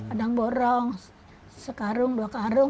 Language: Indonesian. ada yang borong sekarung dua karung